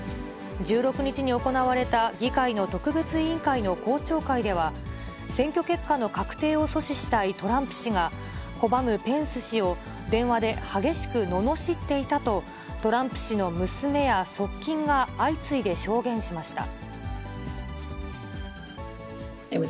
１６日に行われた議会の特別委員会の公聴会では、選挙結果の確定を阻止したいトランプ氏が、拒むペンス氏を電話で激しくののしっていたと、トランプ氏の娘や側近が相次いで証言しました。